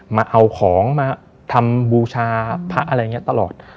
มาเอาของมาทำบูชาพระอะไรอย่างนี้ตลอด